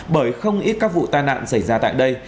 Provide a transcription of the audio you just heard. bởi không ít các vụ tai nạn xảy ra tại đây